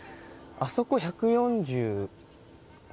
あそこ１４５？